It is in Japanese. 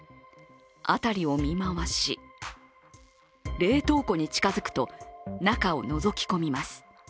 辺りを見回し、冷凍庫に近づくと中をのぞき込みます。